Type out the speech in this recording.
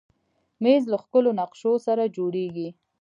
مېز له ښکلو نقشو سره جوړېږي.